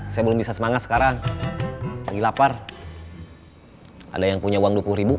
saya belum bisa semangat sekarang lagi lapar ada yang punya uang rp dua puluh ribu